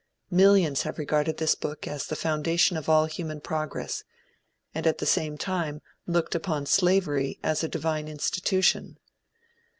Millions have regarded this book as the foundation of all human progress, and at the same time looked upon slavery as a divine institution.